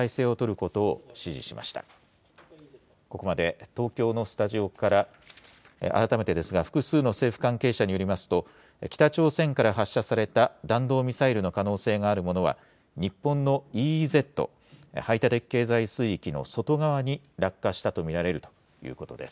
ここまで東京のスタジオから、改めてですが、複数の政府関係者によりますと、北朝鮮から発射された弾道ミサイルの可能性があるものは、日本のＥＥＺ・排他的経済水域の外側に落下したと見られるということです。